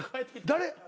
誰？